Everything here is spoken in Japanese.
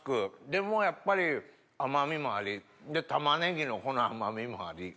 でもやっぱり甘みもありで玉ねぎのこの甘みもあり。